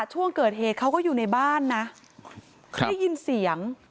ช่วงเกิดเหตุเขาก็อยู่ในบ้านนะได้ยินเสียง